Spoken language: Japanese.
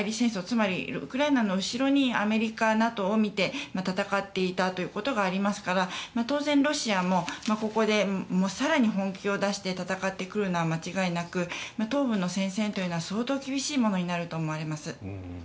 つまりウクライナの後ろにアメリカ、ＮＡＴＯを見て戦っていたということがありますから当然、ロシアもここで更に本気を出して戦ってくるのは間違いなく東部の戦線というのは相当厳しいものになると思われます。